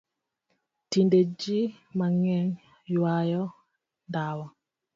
Tinde jii mangeny ywayo ndawa.